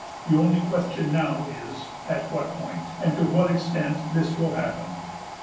The only question now is, at what point and to what extent this will happen.